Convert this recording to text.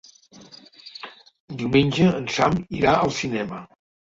Diumenge en Sam irà al cinema.